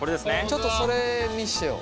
ちょっとそれ見してよ。